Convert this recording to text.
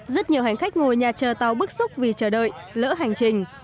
rất nhiều hành khách ngồi nhà chờ tàu bức xúc vì chờ đợi lỡ hành trình